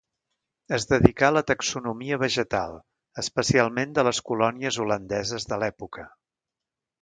Es dedicà a la taxonomia vegetal, especialment de les colònies holandeses de l'època.